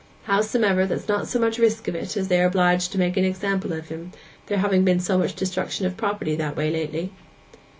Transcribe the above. Howsomever, there's not much risk of it, as they are obliged to make an example of him, there having been so much destruction of property that way lately.